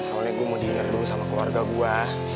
soalnya gue mau diheru sama keluarga gue